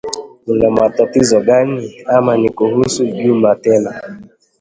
Una matatizo gani? Ama ni kuhusu Juma tena?